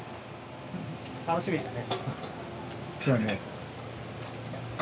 楽しみですね。